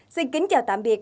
xin kính chào tạm biệt